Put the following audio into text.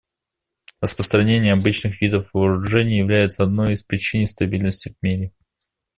Распространение обычных видов вооружений является одной из причин нестабильности в мире.